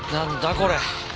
これ。